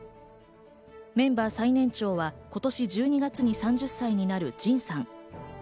メンバー最年長は今年１２月に３０歳になるＪＩＮさん。